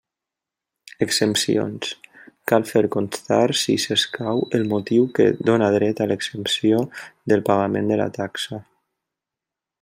Exempcions: cal fer constar, si s'escau, el motiu que dóna dret a l'exempció del pagament de la taxa.